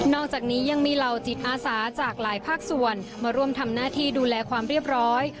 อกจากนี้ยังมีเหล่าจิตอาสาจากหลายภาคส่วนมาร่วมทำหน้าที่ดูแลความเรียบร้อย